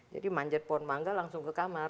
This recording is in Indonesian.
jadi manjat pohon mangga langsung ke kamar